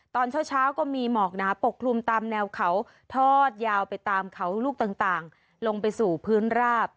ตอนเช้าก็มีหมอกหนาปกคลุมตามแนวเขาทอดยาวไปตามเขาลูกต่างลงไปสู่พื้นราบ